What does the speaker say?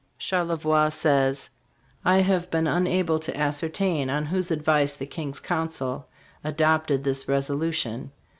Char levoix* says :" I have been unable to ascertain on whose advice the King's council adopted this reso lution.